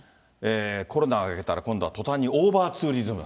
コロナが明けたら、今度はとたんにオーバーツーリズム。